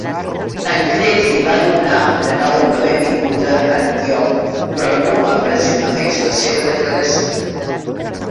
Tancred li va donar de nou la benvinguda a Antioch, però no va pressionar més la seva declaració.